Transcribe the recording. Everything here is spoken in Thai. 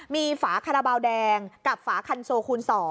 มีฝาคาราบาลแดงกับฝาคันโซคูณ๒